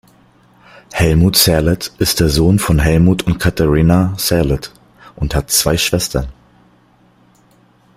Helmut Zerlett ist der Sohn von Helmut und Katharina Zerlett und hat drei Schwestern.